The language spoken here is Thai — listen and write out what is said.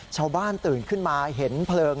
ชาวบ้านตื่นขึ้นมาเห็นเพลิง